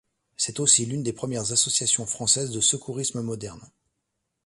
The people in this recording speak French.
C'est aussi l'une des premières association française de secourisme moderne.